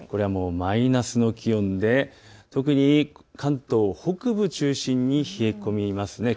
マイナスの気温で特に関東北部を中心に冷え込みます。